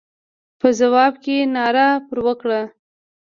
په ځواب کې ناره پر وکړه.